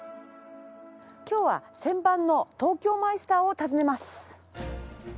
今日は旋盤の東京マイスターを訪ねます。